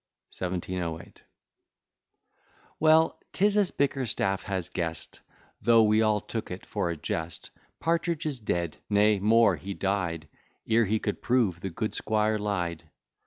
1708 Well; 'tis as Bickerstaff has guest, Though we all took it for a jest: Partridge is dead; nay more, he dy'd, Ere he could prove the good 'squire ly'd.